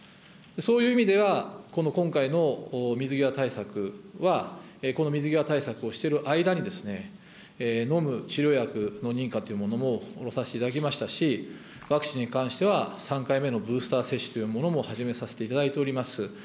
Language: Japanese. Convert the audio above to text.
そういう意味では、この今回の水際対策は、この水際対策をしている間に、飲む治療薬の認可というものもさせていただきましたし、ワクチンに関しては、３回目のブースター接種というものも始めさせていただいております。